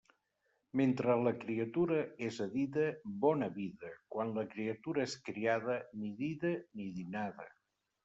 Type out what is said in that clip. Mentre la criatura és a dida, bona vida; quan la criatura és criada, ni dida ni dinada.